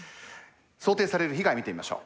想定される被害見てみましょう。